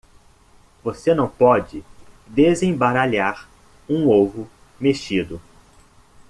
Você não pode desembaralhar um ovo mexido.